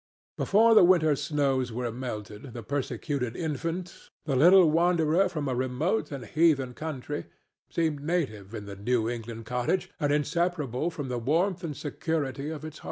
Before the winter snows were melted the persecuted infant, the little wanderer from a remote and heathen country, seemed native in the New England cottage and inseparable from the warmth and security of its hearth.